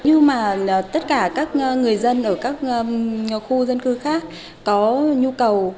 nhưng mà tất cả các người dân ở các khu dân cư khác có nhu cầu